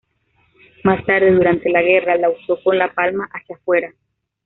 Más tarde durante la guerra la usó con la palma hacia afuera.